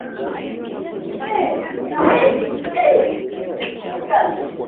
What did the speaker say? Chato mbunge ni Daktari Medard Matogolo Kalemani kupitia Chama cha mapinduzi